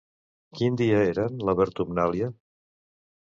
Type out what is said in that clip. Quin dia eren la Vertumnàlia?